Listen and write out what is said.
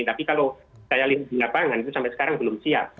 tapi kalau saya lihat di lapangan itu sampai sekarang belum siap